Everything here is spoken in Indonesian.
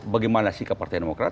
bagaimana sikap partai demokrat